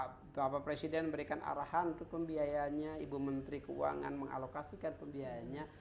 bapak presiden berikan arahan untuk pembiayanya ibu menteri keuangan mengalokasikan pembiayanya